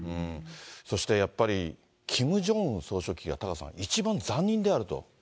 そして、やっぱりキム・ジョンウン総書記がタカさん、一番残忍であると。